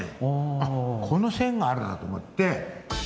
あっこの線があるなと思って。